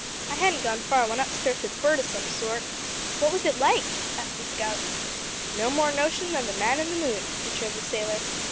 I hadn't gone far when up starts a bird o' some sort " "What like was it?" asked the scout. "No more notion than the man in the moon," returned the sailor.